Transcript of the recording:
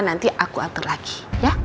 nanti aku atur lagi ya